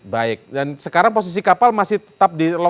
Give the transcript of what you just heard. baik dan sekarang posisi kapal masih tetap di lokasi